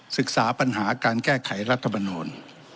ศึกษาปัญหาการแก้ไขรัฐมนูล